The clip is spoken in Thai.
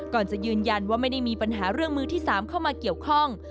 ก่อนจะยืนยันว่าไม่ได้มีปัญหาเรื่องมือที่๓เข้ามาเกี่ยวข้อง